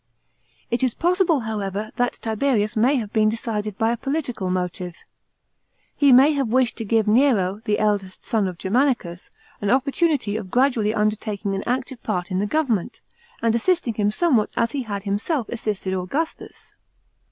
It is possible, however, that Tiberius mny have been decided by a political motive. He may have wished to give Nero, the eldest son of Germanicns, an opportunity of gradually undertaking an active part in the government, and assisting him somewhat as he had himself assisted Augustus.